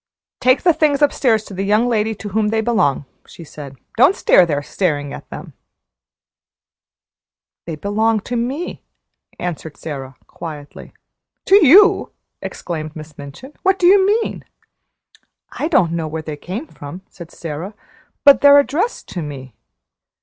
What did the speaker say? "Take the things upstairs to the young lady to whom they belong," she said. "Don't stand there staring at them." "They belong to me," answered Sara, quietly. "To you!" exclaimed Miss Minchin. "What do you mean?" "I don't know where they came from," said Sara, "but they're addressed to me."